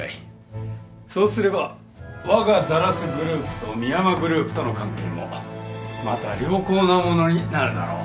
そうすればわがザラスグループと深山グループとの関係もまた良好なものになるだろう。